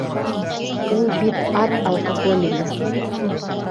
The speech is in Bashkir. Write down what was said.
Ул бит ат алкоголигы!